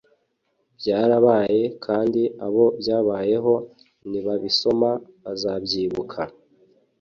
byarabaye kandi abo byabayeho nibabisoma bazabyibuka